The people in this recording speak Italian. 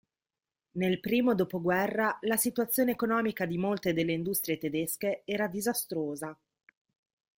Nel primo dopoguerra la situazione economica di molte delle industrie tedesche era disastrosa.